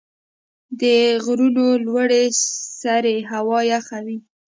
د غرونو لوړې سرې هوا یخ وي.